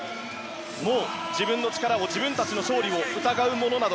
もう自分の力を自分たちの勝利を疑うものなど